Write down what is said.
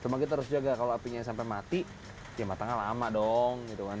cuma kita harus jaga kalau apinya sampai mati ya matangnya lama dong gitu kan